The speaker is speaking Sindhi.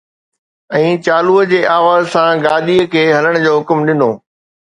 ۽ چالوءَ جي آواز سان گاڏيءَ کي ھلڻ جو حڪم ڏنو